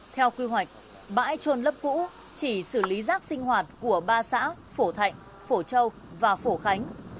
theo quy hoạch bãi trôn lấp cũ chỉ xử lý rác sinh hoạt của ba xã phổ thạnh phổ châu và phổ khánh